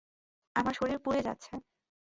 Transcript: আমার শরীর পুড়ে যাচ্ছে।